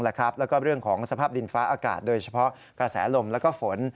แล้วก็เรื่องของสภาพดินฟ้าอากาศโดยเฉพาะกระแสลมแล้วก็ฝน